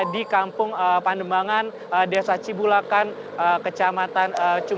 di kampung pandemangan desa cibulakan